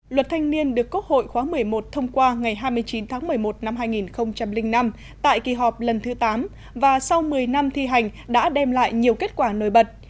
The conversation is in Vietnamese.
luật thanh niên được quốc hội khóa một mươi một thông qua ngày hai mươi chín tháng một mươi một năm hai nghìn năm tại kỳ họp lần thứ tám và sau một mươi năm thi hành đã đem lại nhiều kết quả nổi bật